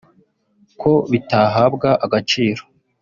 ko bitahabwa agaciro